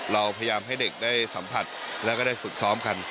เราพยายามให้เด็กได้สัมผัสแล้วก็ได้ฝึกซ้อมกัน